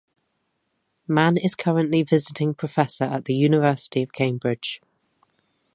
Mann is currently visiting Professor at the University of Cambridge.